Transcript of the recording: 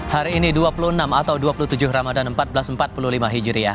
hari ini dua puluh enam atau dua puluh tujuh ramadan seribu empat ratus empat puluh lima hijriah